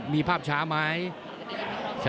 มีภาพช้าไหม